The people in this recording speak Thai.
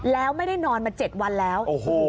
แล้วไม่ได้นอนมา๗วันแล้ว